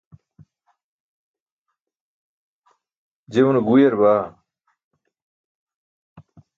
je une guyar baa